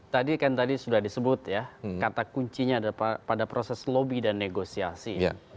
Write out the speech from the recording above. tadi kan tadi sudah disebut ya kata kuncinya pada proses lobby dan negosiasi